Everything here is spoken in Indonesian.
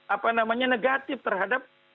apa namanya negatif terhadap